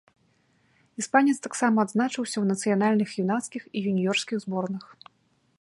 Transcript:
Іспанец таксама адзначыўся ў нацыянальных юнацкіх і юніёрскіх зборных.